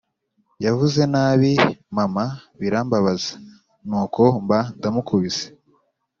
Yavuze nabi Mama birambabaza nuko mba ndamukubise